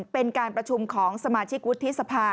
เป็นการประชุมของสมาชิกวุฒิสภา